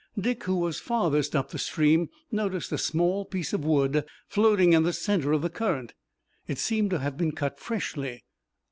Dick, who was farthest up the stream, noticed a small piece of wood floating in the center of the current. It seemed to have been cut freshly.